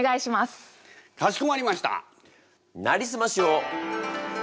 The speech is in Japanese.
かしこまりました！